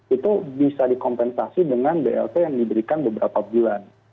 itu bisa dikompensasi dengan blt yang diberikan beberapa bulan